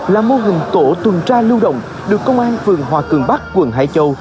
là mô hình tổ tuần tra lưu động được công an phường hòa cường bắc quận hải châu